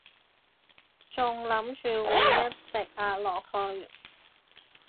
仲諗住會一直壓落去